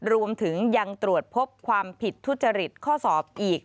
รวมถึงยังตรวจพบความผิดทุจริตข้อสอบอีก